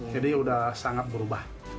jadi sudah sangat berubah